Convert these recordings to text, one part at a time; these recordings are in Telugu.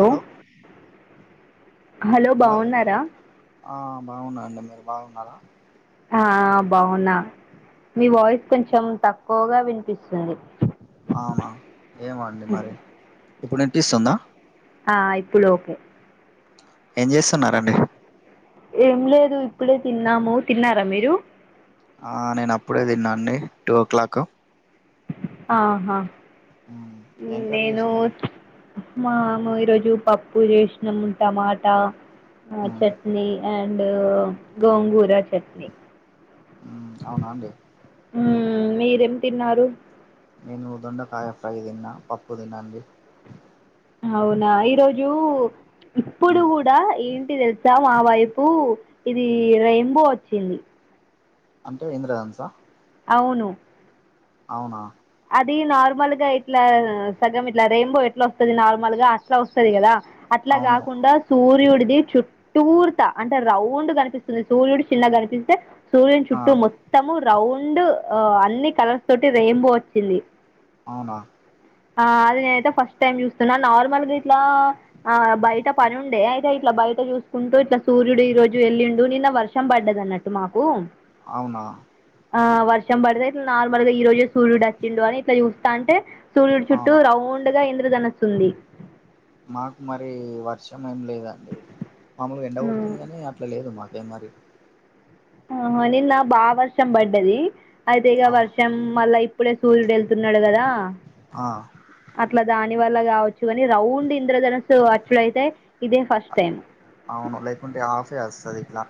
హలో హలో ఆ బాగున్న అండి మీరు బాగున్నారా అహ్ బావున్నా మీ వాయిస్ కొంచెం తక్కువగా వినిపిస్తుంది ఆమ ఏమో అండి మరి ఇప్పుడు వినిపిస్తుందా ఆ ఇప్పుడు ఓకే ఏం జేస్తున్నారండీ ఏం లేదు ఇప్పుడే తిన్నాము తిన్నారా మీరు ఆ నేనప్పుడే తిన్నా అండి టూ ఓ క్లాక్ ఆహా ఏం కర్రీ నేను చేసిందండి మాము ఈరోజు పప్పు చేసినాము టమాటా చట్నీ అండ్ అందులో గోంగూర చట్నీ ఉమ్ అవునా అండి ఉమ్ మీరేం తిన్నారు నేను దొండకాయ ఫ్రై తిన్నా పప్పు తినండి అవునా ఈరోజు ఇప్పుడు గూడా ఏంటి తెలుసా స మా వైపు ఇది రెయిన్బో వచ్చింది అంటే ఇంద్రధనుసా అవును అవునా అది నార్మల్గా ఇట్లా సగం ఇట్లా రెయిన్బో ఎట్లా వస్తది నార్మల్గా అట్లా వస్తుది కదా అట్లా అవును గాకుండా సూర్యుడిది చుట్టూరుత అంటే రౌండ్ కనిపిస్తుంది సూర్యుడు చిన్నగా కనిపిస్తే సూర్యుని ఆ చుట్టూ మొత్తము రౌండ్ అన్ని కలర్స్ తోటి రెయిన్బో వచ్చింది అవునా అహ్ అది నేనయితే ఫస్ట్ టైమ్ చూస్తున్నా నార్మల్గా ఇట్లా ఆ బయట పనిండే అయితే ఇట్లా బయట చూసుకుంటూ ఇట్లా సూర్యుడు ఈ రోజు వెళ్లిండు నిన్న వర్షం పడ్డది అన్నట్టు మాకు అవునా ఆ వర్షం పడుతే నార్మల్గా ఈ ఈ రోజే సూర్యుడు అచ్చిండు అని ఇట్లా చూస్తాంటే సూర్యుడు చుట్టూ అవునా రౌండ్ గా ఇంద్రధనస్సు ఉంది మాకు మరి వర్షం ఏమి లేదండి మామలుగా ఎండకోడుతుంది కాగానీ అట్లా లేదు మాకు బే మరి ఉహ్ నిన్న బా వర్షం పడ్డది అయితే ఇక అవును వర్షం మళ్ళా ఇప్పుడే సూర్యుడు ఎళ్తున్నాడు కదా ఆ అట్లా దాని వల్ల గావచ్చు అని రౌండ్ ఇంద్రధనుస్సు అచ్చుడు అయితే ఇదే ఫస్ట్ టైం అవును లేకుంటే ఆఫే అస్తది ఇట్లా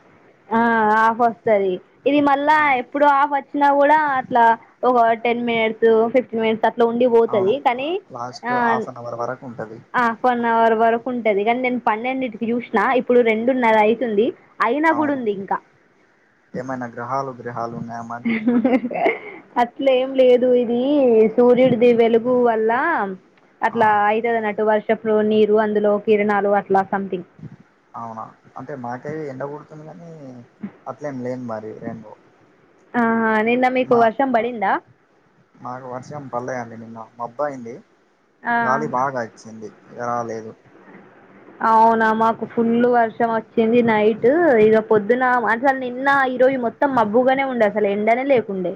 ఆ ఆఫ్ వస్తది ఇది మళ్ళా ఆ ఇప్పుడు ఆఫ్ అచ్చినా కూడా అట్లా ఒక టెన్ మినిట్స్ ఫిఫ్టీ మినిట్స్ అట్ల ఉండి అవును పోతది కానీ లాస్ట్ హాఫ్ అన్ అవర్ వరకు ఉంటది ఆ వన్ అవర్ వరకు ఉంటది కానీ నేను పన్నెండింటికి చూసిన ఇప్పుడు రెండున్నర అయితుంది ఐ అవును ఏమైనా గ్రహాలు విగ్రహాలు ఉన్నాయా మ అట్లేమీ లేదు ఇది సూర్యుడిది వెలుగు వల్ల ఆ అట్లా అవుతుందనట్టు వర్షపు నీరు అందులో కిరణాలు అట్లా సంథింగ్ అవునా అంటే మాకేయ్ ఎండ కొడుతుంది స్తుంది కాని అట్లేమి లేని మరి రెన్బో అహ్ నిన్న మీకు వర్షం బడిందా నాకు వర్షంపడలేదు అండి నిన్న మబ్బ అయింది ఆ గాలి బాగా అచ్చింది య లేదు అవునా మాకు ఫుల్ వర్షం వచ్చింది నైట్ ఇద పొద్దున అసలు నిన్న ఈరోజు మొత్తం మబ్బుగానే ఉండే అసలు ఎండనే లేకుండే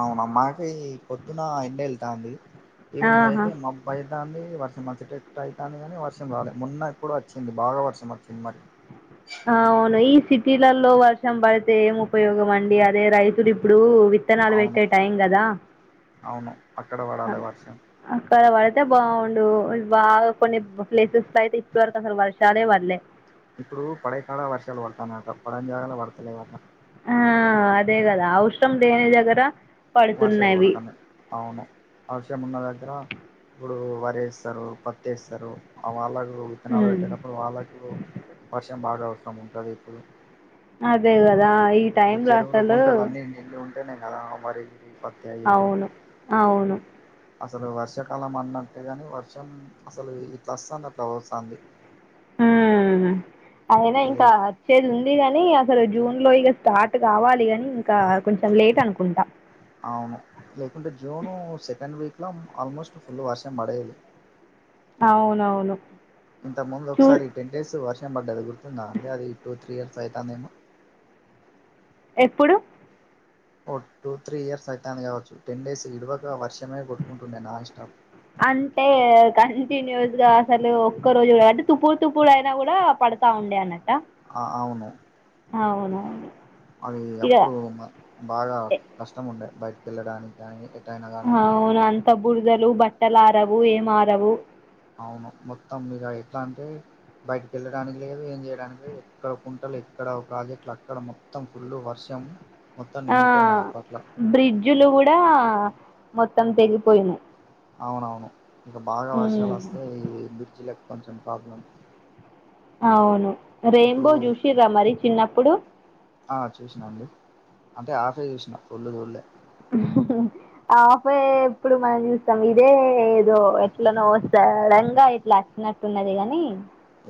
అవునా మాకి పొద్దున ఎండ వెళ్తాంది ఈవినింగ్ ఆహా అయితే మా బైతంది వర్షం మచ్చటట్టు అవుతుంది కానీ వర్షం రాలేదు మొన్న ఎప్పుడు వచ్చింది బాగా వర్షం వచ్చింది మరి అ అవును ఈ సిటీలలో వర్షం పడితే ఏం ఉపయోగం అండి అదే రైతులు ఇప్పుడు వి విత్తనాలు అవును పెట్టే టైం కదా అవును అక్కడ పడాలే వర్షం అక్కడ పడితే బాగుండు బాగా కొన్ని ప్లేసెస్ అయితే ఇప్పటి వరకు అసలు వర్ష ఈసారి పల్లె ఇప్పుడు పడేకాడ వర్షాలు పడతానయట పడనిజాగల పడతలేవట ఆ అదే కదా అవసరంలేని దగ్గర వర్షాలు పడుతున్నవి పడుతన్నాయి అవును ఆ వర్షం ఉన్న దగ్గర ఇప్పుడు వరి వేస్తారు పత్తిఏస్తారు అలాగ విత్తనాలు ఉమ్ పెట్టేటప్పుడు వాళ్ళకు వర్షం బాగా అవసరం ఉంటుంది ఇప్పుడు అదే కదా ఈ ఇప్పుడు టైమ్ లో చెరువులు అసలు గుంటలు అన్నీ ఎండి ఉం టనే కదా వరి గిరి పత్తి అవన్నీ అవును అవును అసలు వర్షాకాలం అన్నట్టే గాని వర్షం అసలు ఈట్ల వస్తాంది అట్లా పోతోంది ఉమ్ అయినా ఇది ఇంకా వచ్చేది ఉంది గాని అసలు జూన్లో ఇక స్టార్ట్ కావాలి ని ఇంకా కొంచెం లేట్ అనుకుంటా అవును లేకుంటే జూను సెకండ్ వీక్లో ఆల్మోస్ట్ ఫుల్ వర్షం పడేయాలి అవునవును ఇంత ముందు చూ ఒకసారి టెన్ డేస్ వర్షపడ్డది గుర్తుందా అంటే అది టూ త్రీ ఇయర్స్ అవుతుందేమ ఎప్పుడు ఓ టూ త్రీ ఇయర్స్ అయితంది కావచ్చు టెన్ డేస్ ఇడువక వర్షమే కొట్టుకుంటుండే నాన్ స్టాఫ్ అంటే కంటిన్యూస్గా అసలు ఒక్క రోజు కూడా అంటే తుప్పుడు తుప్పుడు అయినా కూడా పడు స్తా ఉండే అన్నట ఆ అవును అది ఇగ ఎప్పుడు బాగా కష్టం ఉండే బయటికి వెళ్ళడానికి కానీ ఎటైనా కానీ అవును అంత బురదలు బట్టల ఆరవు ఏం ఆరవు అవును మొత్తం మీద ఎట్లా అంటే బయటకి వెళ్ళడానికి లేదు ఏం చేయడానికి లేదు ఎక్కడ కుంటలు ఎక్కడ ప్రాజెక్టులు అక్కడ మొత్తం ఫుల్లు వర్షం మొత్తం ఆ నిండిపోయినాయి అపట్ల బ్రిడ్జులు కూడా మొత్తం తెగిపోయినాయి అవునవును ఇక బాగా వర్షాలు ఉమ్, వస్తే ఈ బ్రిడ్జ్లకు కొంచెం ప్రాబ్లం అవును ఇప్పుడు రెయిన్బో చూసిర్రా మరి చిన్నప్పుడు ఆ చూసినా అండి అంటే ఆఫే చూసినా పుళ్ళు చుల్లే ఆఫే ఎప్పుడు మనం చూస్తాం ఇదే దో ఎట్లనో సడన్ గా ఇట్లా అచ్చినట్టున్నది గానీ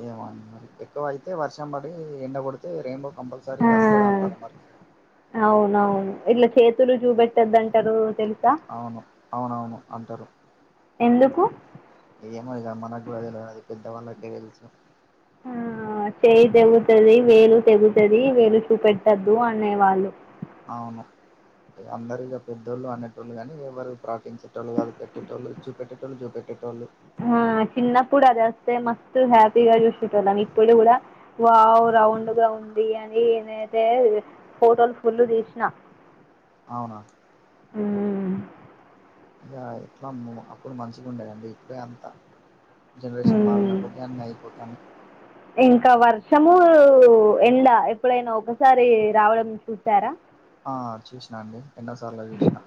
ఏమా అండి మరి ఎక్కువ అయితే వర్షం పడి ఎండ కొడితే రెయిన్బో కంపల్సరీ వస్తదటారు మరి అవునవును ఇట్లా చేతులు చూపెట్టద్దంటరు తెలుసా అవును అవునవును అంటారు ఎందుకు ఏమా అది ఇగ మనకు కూడా తెల్వది పెద్దవాళ్ళకే తెలుసు ఆ చేయి తెగుతది వేలు తెగుతుది వేలు చూపెట్టద్దు అనేవాళ్ళు అవును అందరూ ఇగ పెద్దోళ్ళు అనేటోళ్ళు కానీ ఎవరూ పాటించేటోళ్ళు కాదు పెట్టేటోళ్ళు చూపెట్టేటోళ్లు చూపెట్టేటోళ్లు ఆ చిన్నప్పుడు అది అస్తే మస్ట్ హ్యాపీగా చూసేటోళ్ళం ఇప్పుడు కూడా వావ్ రౌండ్ గా ఉంది అని నేనైతే ఈ ఫోటోలు ఫుల్ తీసినా అవునా ఉమ్. ఇంగా ఎట్లా ఉమ్ అప్పుడు మంచిగుండేదండి ఇప్పుడే అంతా జనరేషన్ ఉమ్. మారినకొద్దీ అన్నీ అయిపోతాన్నాయి ఇంకా వర్షము ఎండ ఎప్పుడైనా ఒకసారి రావడం చూసారా ఆ చూసినా అండి ఎన్నోసార్లు చూసినా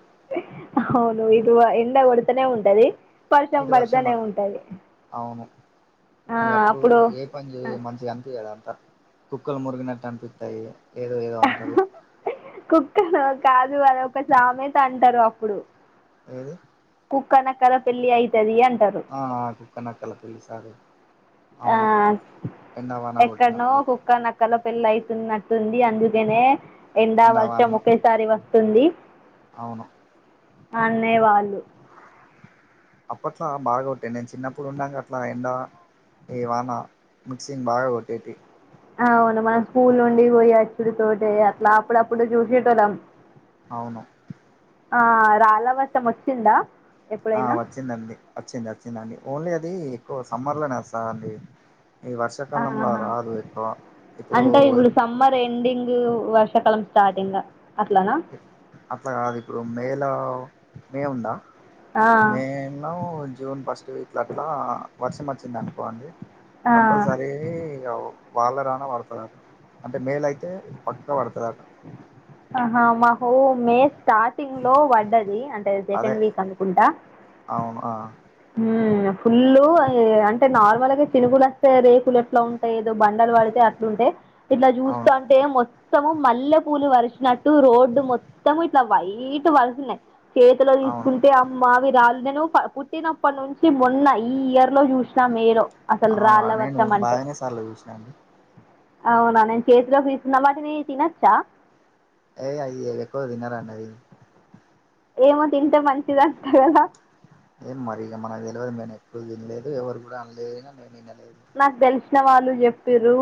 అవును ఇటు ఆ ఎండ కొడుతనే ఉంటది పర్షం ఇటు వర్షం పడుతానే అ- ఉంటది అవును ఆ అప్పుడు పంజి మంచిగా అన్పియ్యదు అంతా కుక్కలు మొరిగినట్టు అన్పిత్తాయి ఏదో ఏదో అంటారు కుక్కనా కాదు అది ఒక సామెత అంటారు అప్పుడు ఏది కుక్క నక్కల పెళ్ళి అయితది అంటారు ఆ ఆ కుక్క నక్కల పెళ్ళి సారీ ఆ అవును ఎండావాన ఎక్కడనో కొట్టినప్పుడు కుక్క న క్కల పెళ్ళి అయితున్నట్టుంది అందుకనే ఎండా వర్షం ఎండావాన ఒకేసారి వస్తుంది అవును అనేవాళ్ళు అప్పట్లో బాగా ఉంటే నేను చిన్నప్పుడు ఉండంగా అట్లా ఎండ ఈ వాన మిక్సింగ్ బాగా కొట్టేటి అవును మనం స్కూల్ నుండి పోయి అచ్చుడి తోటే అట్లా అప్పుడప్పుడు చూసేటోళ్ళం అవును ఆ రాళ్ళ వర్షం వచ్చిందా ఆ ఎప్పుడైనా వచ్చిందండి వచ్చింది వచ్చిందండి ఓన్లీ అది ఎక్కువ సమ్మర్ లోనే వస్తాది అండి ఈ వర్షాకాలంలో ఆహా రాదు ఎక్కువ ఇప్పుడు ఎ ఎండింగు వర్షాకాలం స్టార్ట్ ఇంగా అట్లానా అట్లా కాదు ఇప్పుడు మే లో మే ఉందా ఆ, మేలో జూన్ ఫస్ట్ వీక్ లో అట్లా వర్షం వచ్చింది అనుకోండి ఆ, కంపల్సరీ కే ఇగ వాళ్ళ రాన పడతదట అంటే మే లైతే పక్కా పడతాదట ఆహా మాహో మే స్టార్టింగ్ లో వడ్డది అంటే అదే సెకండ్ వీక్ అనుకుంటా అవును ఆ ఊమ్ ఫుల్లు ఏ అంటే నార్మల్గా చినుగులస్తే రేకుల ట్లా ఉంటాయి ఏదో బండలు వడితే అట్లుంటయి ఇట్లా చూస్తే అవును అం టే మొత్తము మల్లె పూలు వరిసినట్టు రోడ్డు మొత్తము ఇట్లా వైట్ వరుసినయి చేతిలో అవును తీసుకుంటే అమ్మమావి రాళ్ళు న పుట్టినప్పటి నుంచి మొన్నా ఈ ఇయర్ లో చూసినా మేలో అసలు అవును రాళ్ళ నేను వర్షం అంటే బాగానే సార్లు చూసినా అండి అవునా నేను చేతిలోకి తీస్తున్న వాటిని తినచ్చా ఏ అవి ఎక్కువ తిన్నారూ అన్నది ఏమో తింటే మంచిది అంటా కదా ఏం మరి మనకు తెలియదు మే ఎప్పుడ వినలేదు ఎవరు కూడా అనలేడు నేను వినలేదు నాకు తెలిసిన వాళ్ళు చెప్పిరు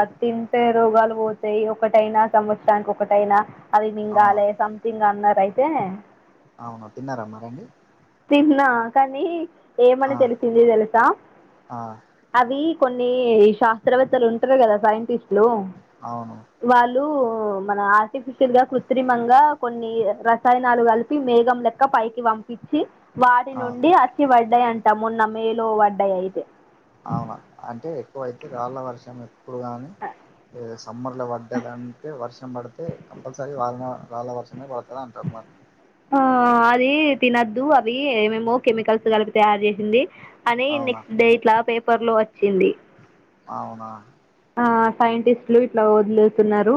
అది తింటే రోగాలు పోతాయి ఒకటైనా సంవత్సరానికి ఒకటైనా అవి అవును మింగాలే సంథింగ్ అన్నారు అయితే అవునా తిన్నార మరండి తిన్నా కానీ ఆ ఏమని తెలిసింది తెలుసా ఆ అవి కొన్ని శాస్త్రవేత్తలు ఉంటారు కదా సైంటిస్టులు అవును వాళ్ళు మన ఆర్టిఫిషియల్ గా కృత్రిమంగా కొన్ని రసాయనాలు కలిపి మేఘం లెక్క ఇక్క పైకి పంపించి వాడి ఆ నుండి అచ్చి వడ్డాయి అంటా మున్న మేలో పడ్డాయి అయితే అవునా అంటే ఎక్కువైతే రాళ్ళ వర్షం ఎప్పుడు కానీ సమ్మర్లో పడ్డదంటే వర్షం పడితే కంపల్సరీ రాళ రాళ్ళ వర్షమే పడుతుంది అంటారు మరి ఆ అది తినద్దు అవి ఏమేమో కెమికల్స్ కలిపి తయారు చేసింది అని అవునా నెక్స్ట్ డే ఇట్లా పేపర్ లో వచ్చింది అవునా ఆ సైంటిస్ట్లు ఇట్లా వదులుతున్నారు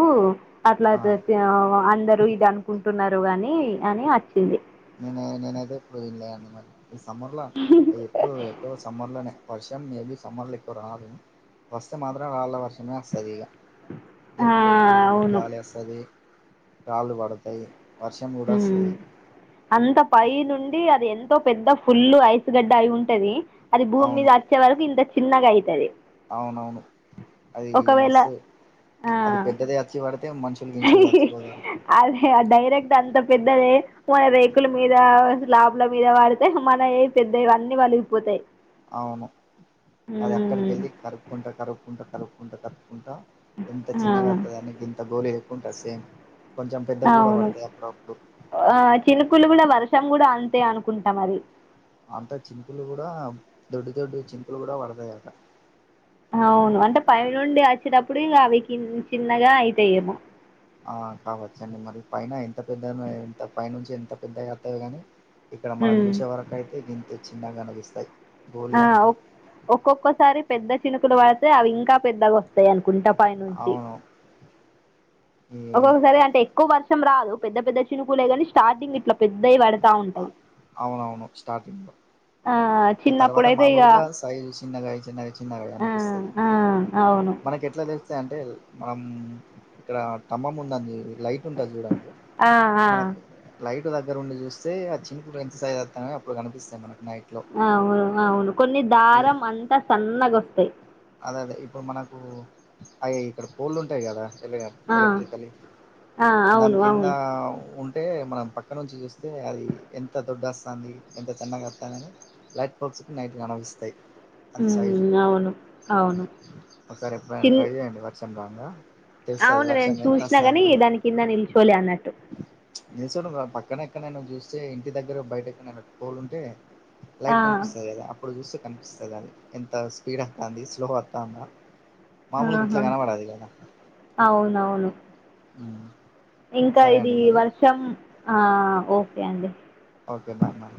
అట్లా అద్ ఆ అందరు ఇద కుంటున్నారు గాని అని అచ్చింది నేను నేనైతే ఎప్పుడు తిడ్లే అనమాట ఈ సమ్మర్ల ఎప్పుడు ఎక్కువ సమ్మర్ లేనే వర్షం మేబి సమ్మర్ల ఎక్కువ రాదు వస్తే మాత్రం రాళ్ళ వర్షమే వస్తదిగా ఆ లేకుంటె ఫుల్ అవును గాలి అస్త ది రాళ్ళు పడతయి వర్షం కూడా ఉమ్. అస్తది అంత పై నుండి అది ఎంతో పెద్ద ఫుల్ ఐస్ గడ్డ అయి ఉంటది అది భూమి మీద అవును అ చ్చ వరకు ఇంత చిన్నగా అయితది అవునవును అదీ ఒకవేళ మస్తు ఆ అది పెద్దద వచ్చి పడితే మంచ చిగ తట్టుకోలేడు అదే ఆ డైరెక్ట్ అంత పెద్దదే మన రేకుల మీద స్లాప్ ల మీద పడితే మన ఏ పెద్ద ఇవన్నీ పలిగిపోతాయి అవును అది అక్కడికి ఎళ్ళి కరుపుకుంటా కరుగుకుంటా కరుగుకుంటా కరుగుకుంటా ఎంత చిన్నగా వత్తదనీ ఇంత గోలి లెక్క ఉంటది సేమ్ కొంచెం పెద్దగా గుడా పడతాయి అప్పుడప్పుడు చినుకులుగూడ వర్షం గుడా అంతే అనుకుంటున్న మరి అంత చినుకులు గుడా దొడ్డు దొడ్డు చినుకులు కూడా పడతాయట అవును అంటే పై నుండి వచ్చేటప్పుడు ఇగా అవి చిన్నగా అయితయేమో ఆ కావచ్చండి మరి పైన ఎంత పెద్దగానో ఇంత పై నుంచి ఎంత పెద్దవి అతయో గాని ఇక్కడ మనం ఉమ్. చూసే వరకు అయితే గింతే చిన్నగా అనిపిస్తయి ఆ ఒ ఒక్కొక్కసారి పెద్ద చినుకులు వాడితే అవి ఇంకా పెద్దగా వస్తయి వస్తాయి అనుకుంట పైనుంచి అవును ఈ ఒక్కొక్కసారి అంటే ఎక్కువ వర్షం రాదు పెద్ద పెద్ద చినుకులే కాని స్టార్టింగ్ ఇట్ల పెద్దవి పడతా ఉంటయి అవునవును స్టార్టింగ్ లో ఆ చిన్నప్పుడు అయితే ఇగ సైజ్ చిన్నగాయీ చిన్నగ చిన్నగాయి ఆ అనిపిస్తది ఆ అవును మనకు ఎట్లా తె స్తే అంటే ఆమ్ ఇక్కడ స్తంభం ఉందండి లైట్ ఉంటది చూడండి ఆహా మనకు లైట్ దగ్గర ఉండి చూస్తే ఆ చినుకులు ఎంత సైజ్ వతన్న అప్పుడు కనిపిస్తాయి మనకు నైట్ లో ఆ అవును అ అవును కొన్ని ఈ- దారం అంతా సన్నగోస్తయి అదే అదే ఇప్పుడు మనకు అయ ఇక్కడ మనకు పోళ్ళు ఉంటయి కదా ఎల్గ ఆ ఎలక్ట్రికల్ యి ఆ దాని అవును కింద అవును ఉంటే మనం క్క నుంచి చేస్తే అది ఎంత దొడ్డు వస్తంది ఎంత సన్నగోస్థందని లైట్ ఫోక్స్కు నైట్ కనోస్తయి అంత సైజు ఉమ్ అవును అవును ఒకసారి ఎప్పుడైనా చిన్ ట్రై చేయండి వర్షంరంగా అవును నేను చూసినా గని దాని కింద నిల్చోలే అన్నట్టు నిల్సోని పక్కన ఎక్కనైన చూస్తే ఇంటి దగ్గర బయట ఎక్కనన్న పోలుంటే ఆ లైట్ కనిపిస్తది కదా అప్పుడు చూస్తే కనిపిస్తది అది ఎంత స్పీడ్ అతంది స్లో వత్తందా మామూలుగ ఇట్లా ఆహా కనబడది కదా అవునవును మ్ ఇంకా ఇది వర్షం ఆ ఓకే అండి ఒకే బాయ్ బాయ్